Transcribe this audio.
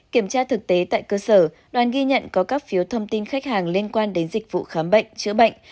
kiểm tra thực tế tại cơ sở đoàn ghi nhận có các phiếu thông tin khách hàng liên quan đến dịch vụ khám bệnh chữa bệnh